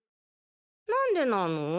なんでなの？